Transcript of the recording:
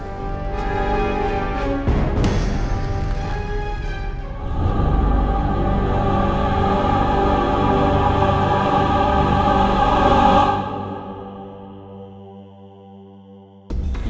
kau sudah mencari kudur